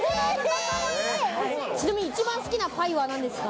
ちなみに一番好きなパイは何ですか？